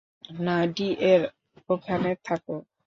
না, ডিএর ওখানে থাকো।